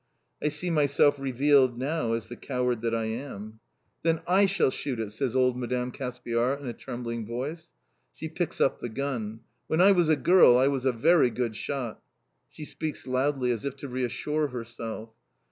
I see myself revealed now as the coward that I am. "Then I shall shoot it!" says old Madame Caspiar in a trembling voice. She picks up the gun. "When I was a girl I was a very good shot!" She speaks loudly, as if to reassure herself.